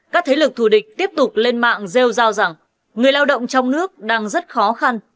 các thế lực thù địch tiếp tục lên mạng rêu rao rằng người lao động trong nước đang rất khó khăn